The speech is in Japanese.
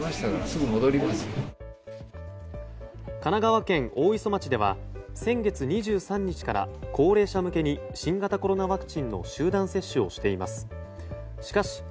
神奈川県大磯町では先月２３日から、高齢者向けに新型コロナワクチンの集団接種をしています。